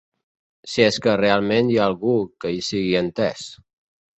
Si és que realment hi ha algú que hi sigui entès.